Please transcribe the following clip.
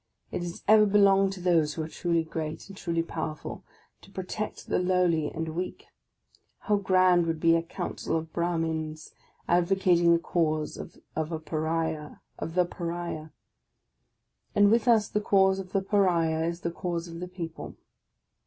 It has ever belonged to those who are truly great and truly powerful, to protect the lowly and weak. How grand would be a Council of Brarnins advocating the cause of the Paria! And with us the cause of the Paria is the cause of the people.